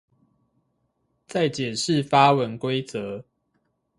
在解釋發文規則